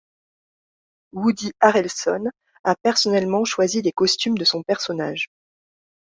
Woody Harrelson a personnellement choisi les costumes de son personnage.